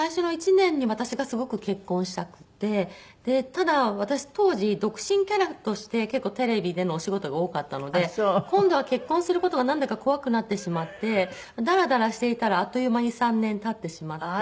ただ私当時独身キャラとして結構テレビでのお仕事が多かったので今度は結婚する事がなんだか怖くなってしまってダラダラしていたらあっという間に３年経ってしまって。